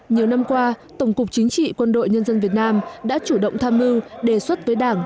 nhiều năm qua tổng cục chính trị quân đội nhân dân việt nam đã chủ động tham mưu đề xuất với đảng